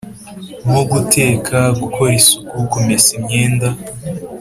nko guteka, gukora isuku, kumesa imyenda